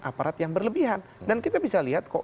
aparat yang berlebihan dan kita bisa lihat kok